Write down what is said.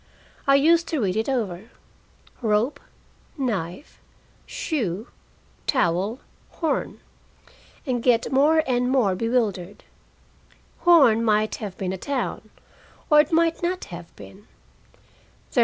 I used to read it over, "rope, knife, shoe, towel, Horn " and get more and more bewildered. "Horn" might have been a town, or it might not have been.